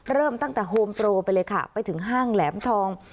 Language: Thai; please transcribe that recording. เริ่มตั้งแต่โฮมโปรไปเลยค่ะไปถึงห้างแหลมทอง